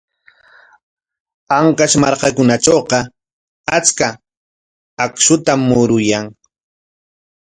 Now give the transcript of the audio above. Ancash markakunatrawqa achka akshutam muruyan.